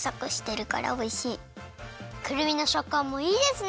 くるみのしょっかんもいいですね！